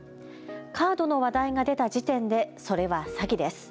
カードの話題が出た時点でそれは詐欺です。